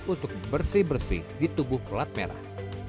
untuk bersih bersih di tubuh pelat merah